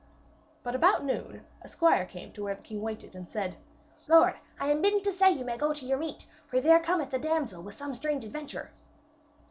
But about noon a squire came to where the king waited, and said, 'Lord, I am bidden to say ye may go to your meat, for there cometh a damsel with some strange adventure.'